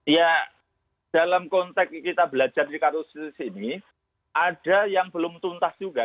ya dalam konteks kita belajar di kasus ini ada yang belum tuntas juga